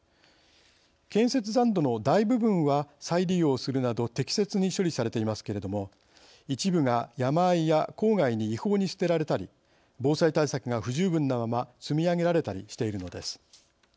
建設残土の大部分は再利用するなど適切に処理されていますけれども一部が山あいや郊外に違法に捨てられたり防災対策が不十分なまま積み上げられたりしているのです。